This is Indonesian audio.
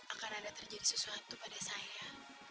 akan ada terjadi sesuatu pada saya